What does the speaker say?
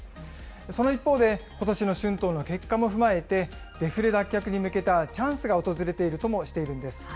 その一方で、ことしの春闘の結果も踏まえて、デフレ脱却に向けたチャンスが訪れているともしているんです。